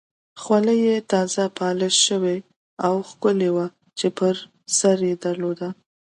خولۍ یې تازه پالش شوې او ښکلې وه چې یې پر سر درلوده.